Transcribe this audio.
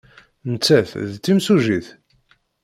Nettat d timsujjit?